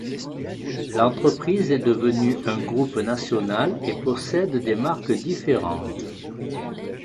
L'entreprise est devenue un groupe national et possède des marques différentes.